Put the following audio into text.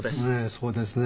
そうですね。